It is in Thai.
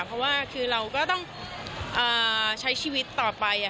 เพราะว่าคือเราก็ต้องใช้ชีวิตต่อไป